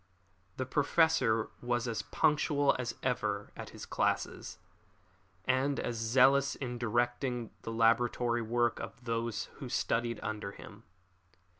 The Professor was as punctual as ever at his classes, and as zealous in directing the laboratory work of those who studied under him.